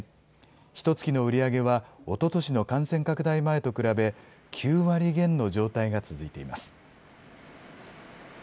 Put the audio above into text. ひとつきの売り上げは、おととしの感染拡大前と比べ、９割減の状態が続いています。